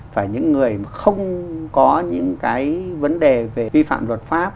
phải những người không có những cái vấn đề về vi phạm luật pháp